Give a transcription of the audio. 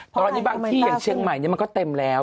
พอที่เชียงใหม่เนี่ยมันก็เต็มแล้ว